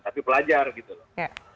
tapi pelajar gitu loh